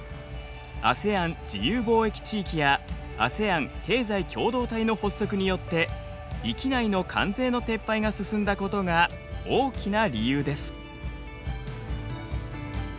ＡＳＥＡＮ自由貿易地域やＡＳＥＡＮ経済共同体の発足によって域内の関税の撤廃が進んだことが大きな理由です。